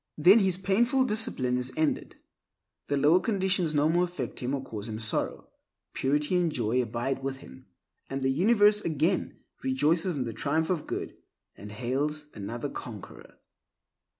Then his painful discipline is ended; the lower conditions no more affect him or cause him sorrow. Purity and joy abide with him, and the universe again rejoices in the triumph of good, and hails another conqueror.